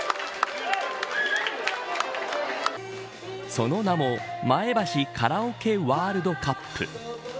その名も、まえばしカラオケワールドカップ。